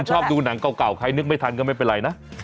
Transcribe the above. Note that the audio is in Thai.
ชอบดูหนังเก่าใครนึกไม่ทันก็ไม่เป็นไรนะ